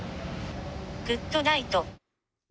グッドナイト。